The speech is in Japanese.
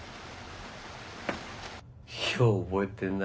よう覚えてんな。